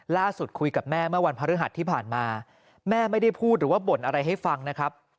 ล่าสุดคุยกับแม่เมื่อวันพฤหัสที่ผ่านมาแม่ไม่ได้พูดหรือว่าบ่นอะไรให้ฟังนะครับ